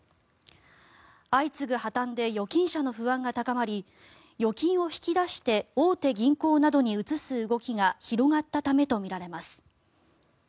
相次ぐ破たんで預金者の不安が高まり預金を引き出して大手銀行などに移す動きが広がったためとみられます。